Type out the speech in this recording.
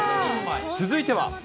続いては。